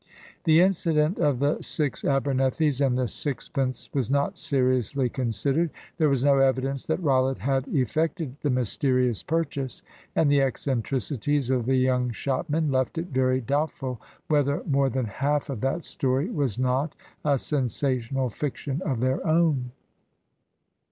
The incident of the six Abernethys and the 6 pence was not seriously considered. There was no evidence that Rollitt had effected the mysterious purchase, and the eccentricities of the young shopmen left it very doubtful whether more than half of that story was not a sensational fiction of their own.